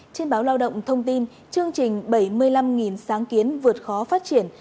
trên báo lao động thông tin chương trình bảy mươi năm sáng kiến vượt khó phát triển